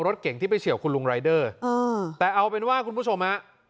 รถเก่งที่ไปเฉียวคุณลุงรายเดอร์แต่เอาเป็นว่าคุณผู้ชมฮะ